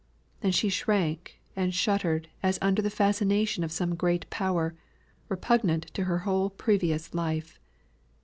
And she shrank and shuddered as under the fascination of some great power, repugnant to her whole previous life.